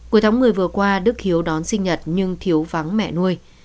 cuối tháng một mươi vừa qua đức hiếu đón sinh nhật nhưng thiếu vắng mẹ nuôi